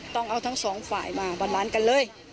ต้องเอาทั้งสองฝ่ายมาบานกันเลย